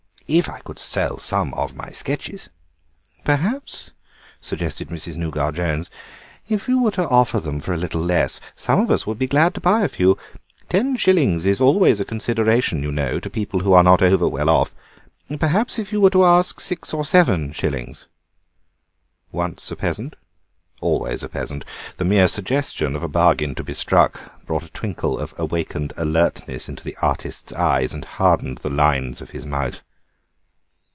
If I could sell some of my sketches—" "Perhaps," suggested Mrs. Nougat Jones, "if you were to offer them for a little less, some of us would be glad to buy a few. Ten shillings is always a consideration, you know, to people who are not over well off. Perhaps if you were to ask six or seven shillings—" Once a peasant, always a peasant. The mere suggestion of a bargain to be struck brought a twinkle of awakened alertness into the artist's eyes, and hardened the lines of his mouth.